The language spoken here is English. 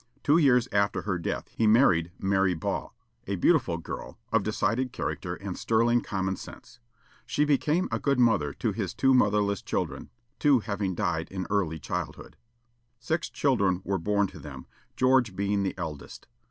Two years after her death he married Mary Ball, a beautiful girl, of decided character and sterling common sense. She became a good mother to his two motherless children; two having died in early childhood. Six children were born to them, George being the eldest.